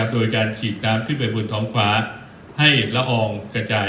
โดยการฉีดน้ำขึ้นไปบนท้องฟ้าให้ละอองกระจาย